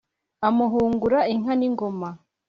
Amuhungura inka n’ingoma,